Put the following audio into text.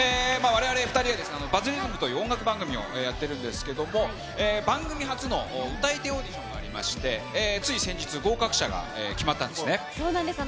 われわれ２人は、バズリズムという音楽番組をやっているんですけれども、番組初の歌い手オーディションがありまして、つい先日、合格者がそうなんです。